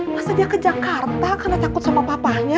masa dia ke jakarta karena takut sama papanya